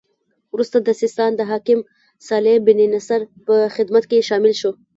وروسته د سیستان د حاکم صالح بن نصر په خدمت کې شامل شو.